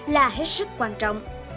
là hết sức quan trọng